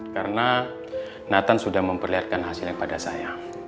karena nathan sudah memperlihatkan hasil yang pada saya